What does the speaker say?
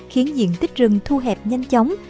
khiến diện tích rừng thu hẹp nhanh chóng